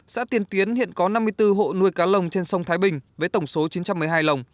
xã tiền tiến hiện có năm mươi bốn hộ nuôi cá lồng trên sông thái bình với tổng số chín trăm một mươi hai lồng